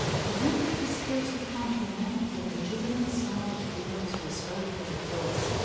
The banquet had scarcely come to an end when the jubilant sound of horns was heard from the forest.